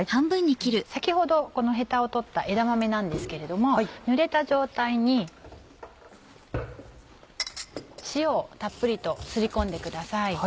先ほどこのヘタを取った枝豆なんですけれどもぬれた状態に塩をたっぷりとすり込んでください。